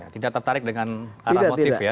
tidak tertarik dengan arah motif ya